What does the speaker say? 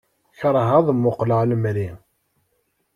Kerheɣ ad muqleɣ lemri.